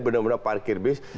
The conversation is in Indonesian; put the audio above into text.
benar benar parkir bus